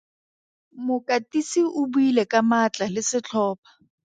Mokatisi o buile ka maatla le setlhopha.